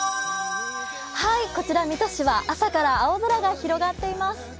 こちら、水戸市は朝から青空が広がっています。